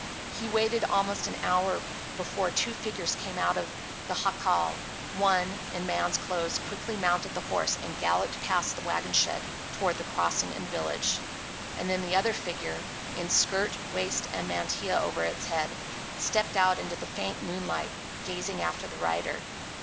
He waited almost an hour before two figures came out of the jacal. One, in man's clothes, quickly mounted the horse and galloped past the wagon shed toward the crossing and village. And then the other figure, in skirt, waist, and mantilla over its head, stepped out into the faint moonlight, gazing after the rider.